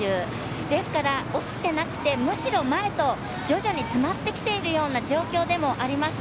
ですから落ちてなくてむしろ前と徐々に詰まってきているような状況でもあります。